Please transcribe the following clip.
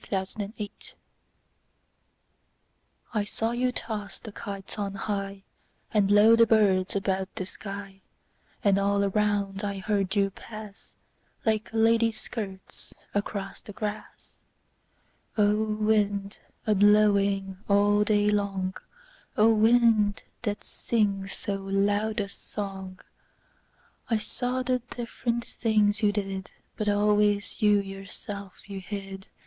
The Wind I SAW you toss the kites on highAnd blow the birds about the sky; And all around I heard you pass, Like ladies' skirts across the grass—O wind, a blowing all day long,O wind, that sings so loud a song!I saw the different things you did, But always you yourself you hid.